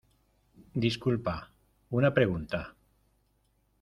disculpa, una pregunta